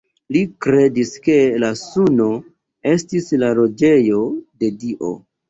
Li kredis ke la suno estis la loĝejo de Dio.